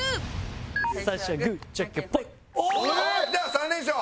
３連勝！